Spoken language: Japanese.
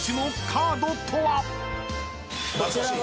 こちらは。